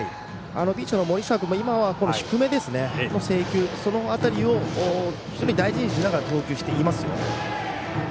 ピッチャーの森下君も低めの制球、その辺りを非常に大事にしながら投球していますよ。